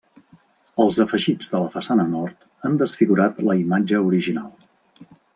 Els afegits de la façana nord han desfigurat la imatge original.